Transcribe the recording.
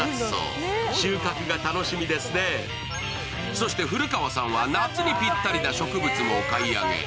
そして古川さんは夏にぴったりな植物もお買い上げ。